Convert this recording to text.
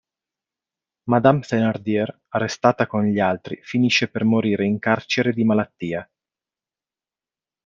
Madame Thénardier, arrestata con gli altri, finisce per morire in carcere di malattia.